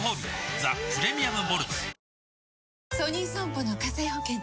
ザ・プレミアム・モルツ」